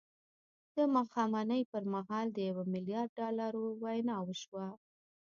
د ماښامنۍ پر مهال د یوه میلیارد ډالرو وینا وشوه